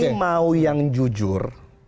ini mau yang jujur